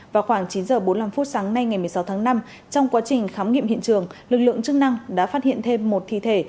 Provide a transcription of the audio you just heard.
vào khoảng chín h bốn mươi năm sáng nay ngày một mươi sáu tháng năm trong quá trình khám nghiệm hiện trường lực lượng chức năng đã phát hiện thêm một thi thể